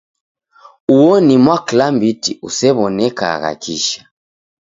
Uo ni mwaklambiti usew'onekagha kisha.